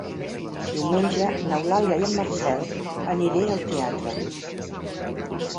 Diumenge n'Eulàlia i en Marcel aniré al teatre.